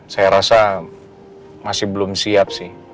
saya rasa masih belum siap sih